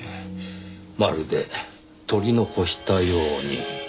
まるで取り残したように。